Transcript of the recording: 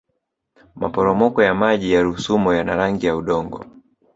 maporomoko ya maji ya rusumo yana rangi ya udongo